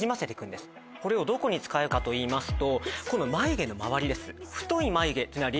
これをどこに使うかといいますと。